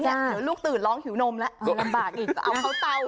เดี๋ยวลูกตื่นร้องหิวนมแล้วลำบากอีกก็เอาเข้าเตา